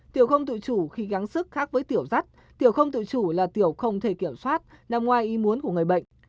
tiểu không tự chủ khi gắng sức khác với tiểu rắt tiểu không tự chủ là tiểu không thể kiểm soát nằm ngoài y muốn của người bệnh